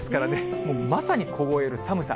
もうまさに凍える寒さ。